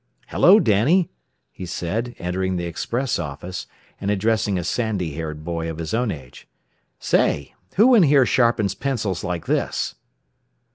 "Hello, Danny," he said, entering the express office, and addressing a sandy haired boy of his own age. "Say, who in here sharpens pencils like this?"